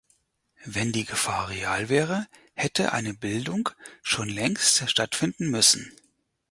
Wenn die Gefahr real wäre, hätte eine Bildung schon längst stattfinden müssen.